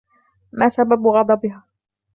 ما سبب غضبها؟